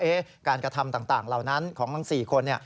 การกระทำต่างเหล่านั้นของทั้ง๔คน